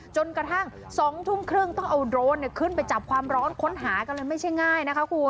จนกระทั่ง๐๑๓๐ต้องเอาโดรนขึ้นไปจับความร้อนค้นหาก็เลยไม่ใช่ง่าย